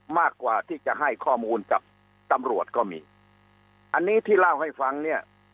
มากกว่าที่จะให้ข้อมูลกับตำรวจก็มีอันนี้ที่เล่าให้ฟังเนี่ย